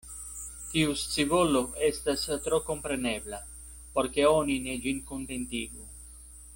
Tiu scivolo estas tro komprenebla, por ke oni ne ĝin kontentigu.